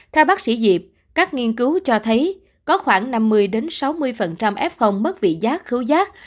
theo bác sĩ diệp các nghiên cứu cho thấy có khoảng năm mươi sáu mươi f mất vị giác khứu rác